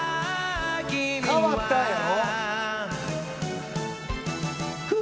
変わったやろ。